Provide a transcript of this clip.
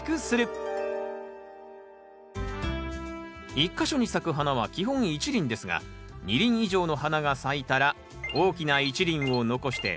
１か所に咲く花は基本１輪ですが２輪以上の花が咲いたら大きな１輪を残して他は摘み取ります。